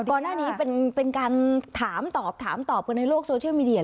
ก่อนหน้านี้เป็นการถามตอบถามตอบกันในโลกโซเชียลมีเดีย